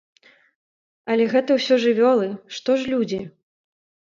Але гэта ўсё жывёлы, што ж людзі?